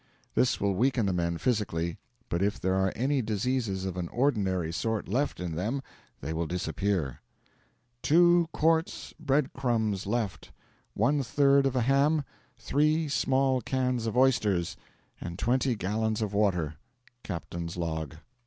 This will weaken the men physically, but if there are any diseases of an ordinary sort left in them they will disappear. Two quarts bread crumbs left, one third of a ham, three small cans of oysters, and twenty gallons of water. Captain's Log.